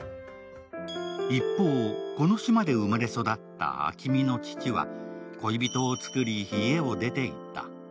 一方、この島で生まれ育った暁海の父は、恋人を作り、家を出て行った。